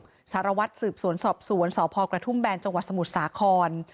หรอศาลวัดสืบสวนสอบสวนสพกระทุ่มแบรนด์จสมุดอุทธ์สาขอน